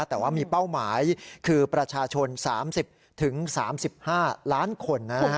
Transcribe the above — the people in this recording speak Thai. แต่ว่ามีเป้าหมายคือประชาชน๓๐๓๕ล้านคน